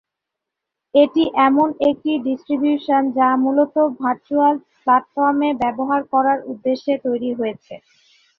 এটি এমন একটি ডিস্ট্রিবিউশন যা মূলত ভার্চুয়াল প্লাটফর্মে ব্যবহার করার উদ্দেশ্যে তৈরী করা হয়েছে।